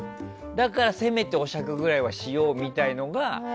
だから、せめてお酌ぐらいはしようっていうのが。